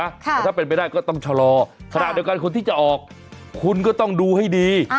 แต่ถ้าเป็นไปได้ก็ต้องชะลอขณะเดียวกันคนที่จะออกคุณก็ต้องดูให้ดี